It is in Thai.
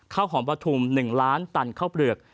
ข้าวหอมปฐุม๑ล้านตันข้าวเปลือก